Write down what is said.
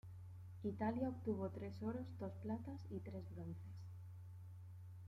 Italia obtuvo tres oros, dos platas y tres bronces.